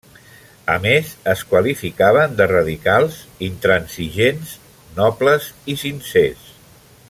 A més es qualificaven de radicals, intransigents, nobles i sincers.